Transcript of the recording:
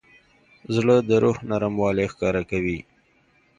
زړه د روح نرموالی ښکاره کوي.